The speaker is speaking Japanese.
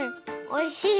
おいしい。